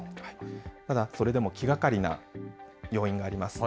ただ、それでも気がかりな要因があります。